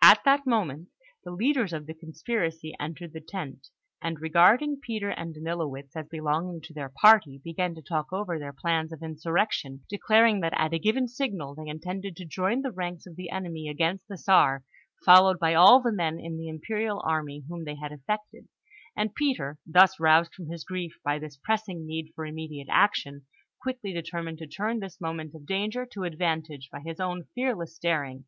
At that moment, the leaders of the conspiracy entered the tent, and, regarding Peter and Danilowitz as belonging to their party, began to talk over their plans of insurrection, declaring that at a given signal they intended to join the ranks of the enemy against the Czar, followed by all the men in the imperial army whom they had affected; and Peter, thus roused from his grief by this pressing need for immediate action, quickly determined to turn this moment of danger to advantage by his own fearless daring.